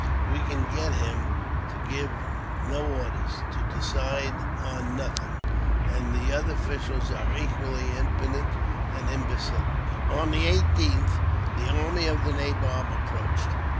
We can get him to give no orders, to decide on nothing, and the other officials are equally impotent and imbecile." On the 18th, the army of the nabob approached.